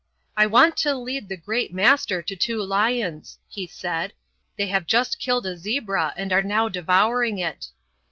"I want to lead the Great Master to two lions," he said; "they have just killed a zebra and are now devouring it."